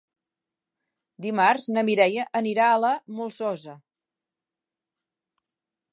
Dimarts na Mireia anirà a la Molsosa.